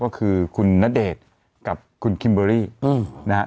ก็คือคุณณเดชน์กับคุณคิมเบอรี่นะฮะ